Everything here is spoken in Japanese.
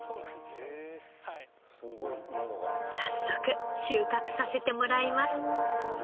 早速収穫させてもらいます。